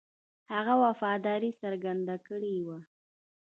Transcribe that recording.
هغه وفاداري څرګنده کړې وه.